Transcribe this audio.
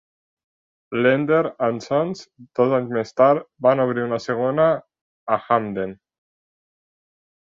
Lender and Sons, dos anys més tard, van obrir una segona a Hamden.